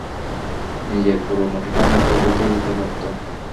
নিজের পুরো মুঠিটা মুখে ঢুকিয়ে দিতে পারত।